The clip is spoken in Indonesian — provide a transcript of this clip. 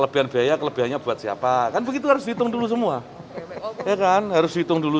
bagaimana cara mengurangi kelebihan